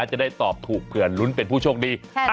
จะได้ตอบถูกเผื่อลุ้นเป็นผู้โชคดี